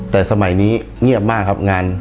แต่สมัยนี้เงียบมากครับงาน